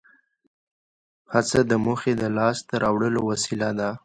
هڅه د موخې د لاس ته راوړلو وسیله ده.